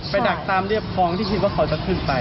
ดักตามเรียบคลองที่คิดว่าเขาจะขึ้นไป